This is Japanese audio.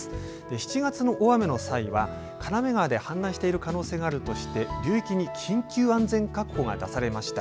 ７月の大雨の際は金目川が氾濫している可能性があるとして流域に緊急安全確保が出されました。